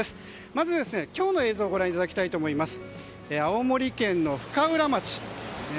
まず今日の映像をご覧いただきます。